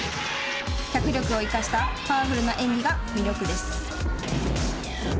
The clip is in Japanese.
脚力を生かしたパワフルな演技が魅力です。